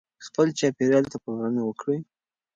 خپل چاپېریال ته پاملرنه وکړئ.